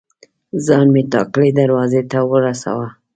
ځان مې ټاکلي دروازې ته ورساوه.